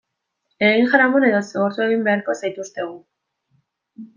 Egin jaramon edo zigortu egin beharko zaituztegu.